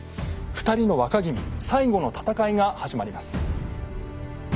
２人の若君最後の戦いが始まります。